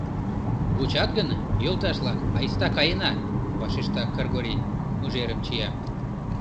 — Вучат гын, йолташ-влак, айста каена, — вашешта Кыргорий, мыжержым чия.